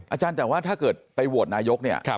อาจารย์แต่ว่าถ้าเกิดไปโหวตนายกเนี่ย